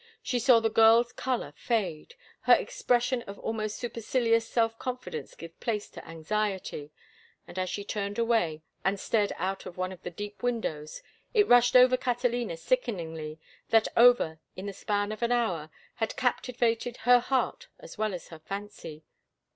She saw the girl's color fade, her expression of almost supercilious self confidence give place to anxiety, and as she turned away and stared out of one of the deep windows, it rushed over Catalina sickeningly that Over, in the span of an hour, had captivated her heart as well as her fancy.